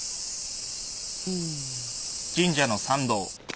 うん。